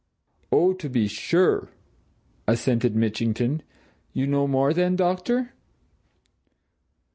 "Oh, to be sure!" assented Mitchington. "You know more, then, doctor?"